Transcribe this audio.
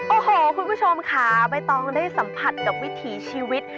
โอ้โหคุณผู้ชมค่ะใบตองได้สัมผัสกับวิถีชีวิต